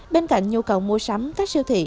bên cạnh nhu cầu mua sắm các siêu thị